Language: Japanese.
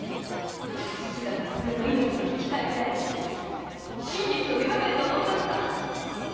父が娘の命と引き換えぐらいで真実を歪めると思いますか⁉